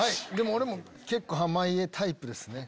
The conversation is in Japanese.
俺も結構濱家タイプですね。